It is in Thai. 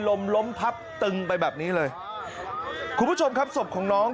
ลมล้มพับตึงไปแบบนี้เลยคุณผู้ชมครับศพของน้อง